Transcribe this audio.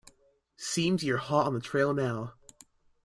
Seems you're hot on the trail now.